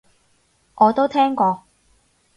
我都聽過